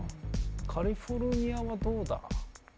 カリフォルニアはどうだ。